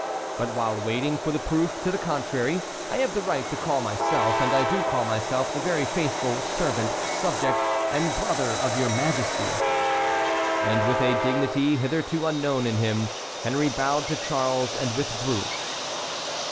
But while waiting for the proof to the contrary I have the right to call myself and I do call myself the very faithful servant, subject, and brother of your Majesty." And with a dignity hitherto unknown in him, Henry bowed to Charles and withdrew.